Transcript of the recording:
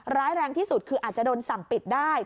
ร้ายแรงที่สุดคืออาจจะโดนสั่งปิดได้